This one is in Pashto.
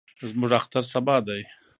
زموږ اختر سبا دئ.